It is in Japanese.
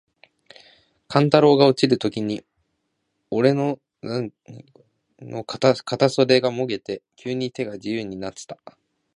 勘太郎が落ちるときに、おれの袷の片袖がもげて、急に手が自由になつた。